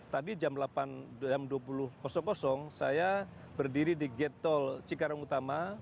tadi jam dua puluh saya berdiri di gate tol cikarang utama